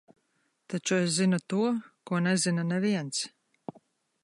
Taču es zinu to, ko nezina neviens.